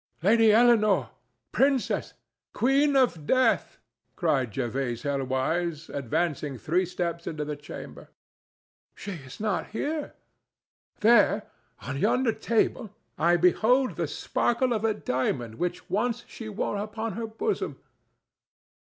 "Lady Eleanore! princess! queen of Death!" cried Jervase Helwyse, advancing three steps into the chamber. "She is not here. There, on yonder table, I behold the sparkle of a diamond which once she wore upon her bosom.